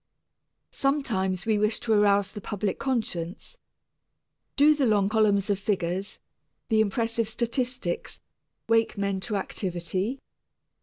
Sometimes we wish to arouse the public conscience. Do the long columns of figures, the impressive statistics, wake men to activity?